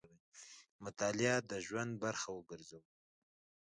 مطالعه د ژوند برخه وګرځوو.